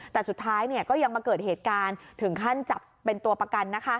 แต่สุดท้ายก็ยังมาเกิดเหตุการณ์ถึงขั้นจับเป็นตัวประกัน